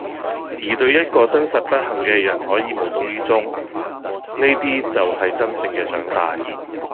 而對一個真實不幸嘅人可以無動於衷，呢啲就係真正嘅長大。